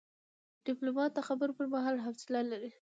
ډيپلومات د خبرو پر مهال حوصله لري.